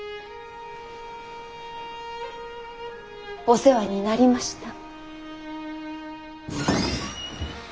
お世話になりました。